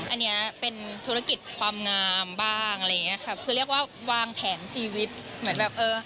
อันนี้เป็นธุรกิจความงามบ้างแบบนี้นะครับคือเรียกว่าวางแถนชีวิตเหมือนแบบเออ